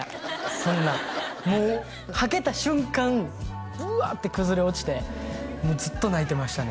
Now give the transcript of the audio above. そんなんもうはけた瞬間ブワッて崩れ落ちてもうずっと泣いてましたね